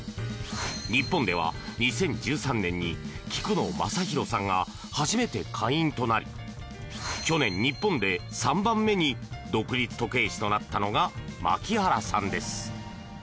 日本では２０１３年に菊野昌宏さんが初めて会員となり去年、日本で３番目に独立時計師となったのが牧原さんです。